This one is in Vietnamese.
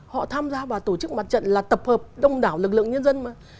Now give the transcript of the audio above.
họ tham gia vào tổ chức mặt trận là tập hợp đông đảo lực lượng nhân dân mà